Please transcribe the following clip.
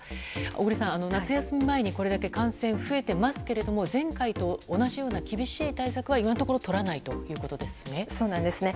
小栗さん、夏休み前にこれだけ感染が増えていますが前回と同じような厳しい対策は今のところ取らないということですね。